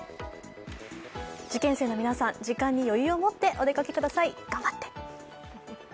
受験生の皆さん、時間に余裕を持ってお出かけください。頑張って！